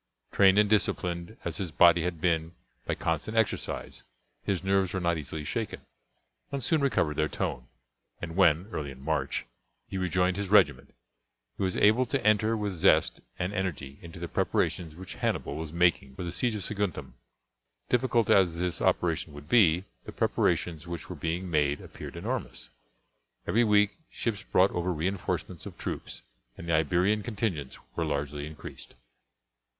Trained and disciplined as his body had been by constant exercise, his nerves were not easily shaken, and soon recovered their tone, and when, early in March, he rejoined his regiment, he was able to enter with zest and energy into the preparations which Hannibal was making for the siege of Saguntum. Difficult as this operation would be, the preparations which were being made appeared enormous. Every week ships brought over reinforcements of troops, and the Iberian contingents were largely increased.